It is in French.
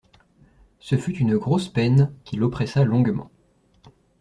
Ce fut une grosse peine qui l'oppressa longuement.